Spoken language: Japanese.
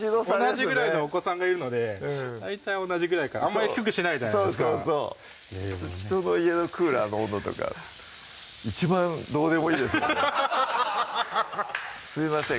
同じぐらいのお子さんがいるので大体同じぐらいかあまり低くしないじゃないですか人の家のクーラーの温度とか一番どうでもいいですねすいません